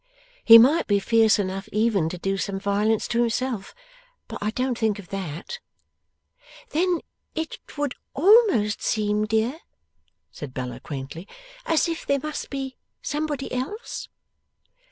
He might be fierce enough even to do some violence to himself, but I don't think of that.' 'Then it would almost seem, dear,' said Bella quaintly, 'as if there must be somebody else?